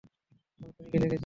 আমি খুনিকে দেখেছি।